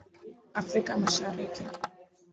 Afrika Mashariki